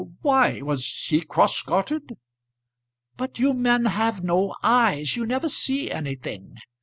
"Why; was he cross gartered?" "But you men have no eyes; you never see anything.